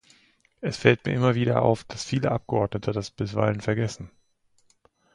Es fällt mir immer wieder auf, dass viele Abgeordnete das bisweilen vergessen.